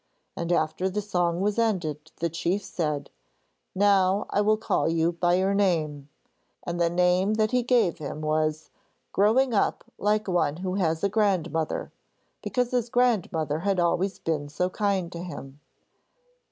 And after the song was ended the chief said: 'Now I will call you by your name,' and the name that he gave him was Growing up like one who has a grandmother, because his grandmother had always been so kind to him.